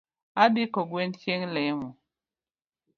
Adhi kogwen chieng’ lemo